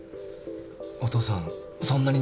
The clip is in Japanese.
お父さん